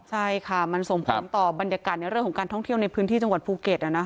ใช่ค่ะมันส่งผลต่อบรรยากาศในเรื่องของการท่องเที่ยวในพื้นที่จังหวัดภูเก็ต